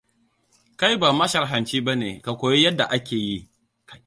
Kai ba masharranci bane, ka koyi yadda ake yi.